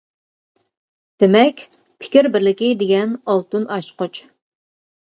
دېمەك پىكىر بىرلىكى دېگەن ئالتۇن ئاچقۇچ.